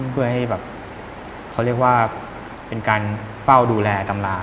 เพื่อให้แบบเขาเรียกว่าเป็นการเฝ้าดูแลตำรา